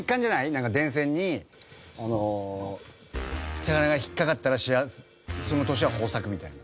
なんか電線にあの魚が引っかかったらその年は豊作みたいな。